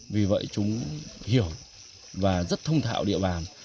vì vậy chúng hiểu và rất thông thạo địa bàn